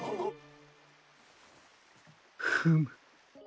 フム。